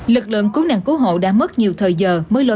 lực lượng cứu nạn cứu hộ đã mất nhiều thời giờ